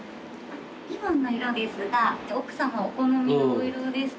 リボンの色ですが奥さまお好みのお色ですとか。